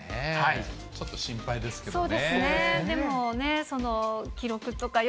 ちょっと心配ですけれどもね。